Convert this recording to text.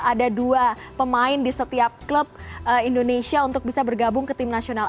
ada dua pemain di setiap klub indonesia untuk bisa bergabung ke tim nasional